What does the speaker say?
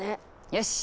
よし！